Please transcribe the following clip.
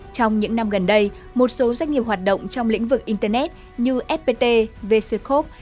trong những năm gần đây một số doanh nghiệp hoạt động trong lĩnh vực internet như fpt vccov